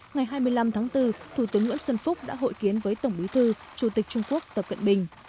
ngày hai mươi năm tháng bốn thủ tướng nguyễn xuân phúc đã hội kiến với tổng bí thư chủ tịch trung quốc tập cận bình